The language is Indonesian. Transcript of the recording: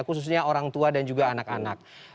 khususnya orang tua dan juga anak anak